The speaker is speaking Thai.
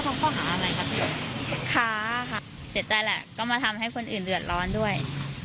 เสียใจแหละก็มาทำให้คนอื่นเดือดร้อนด้วย